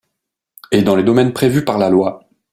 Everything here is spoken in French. et dans les domaines prévus par la loi